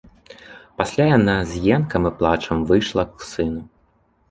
Пасля яна з енкам і плачам выйшла к сыну.